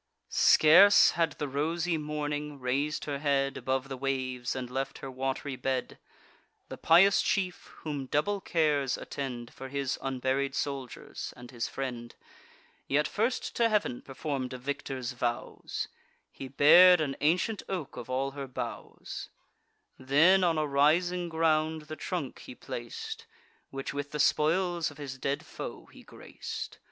Scarce had the rosy Morning rais'd her head Above the waves, and left her wat'ry bed; The pious chief, whom double cares attend For his unburied soldiers and his friend, Yet first to Heav'n perform'd a victor's vows: He bar'd an ancient oak of all her boughs; Then on a rising ground the trunk he plac'd, Which with the spoils of his dead foe he grac'd.